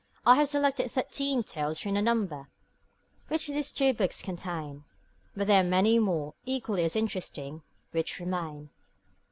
I have selected thirteen tales from the number which these two books contain; but there are many more, equally as interesting, which remain.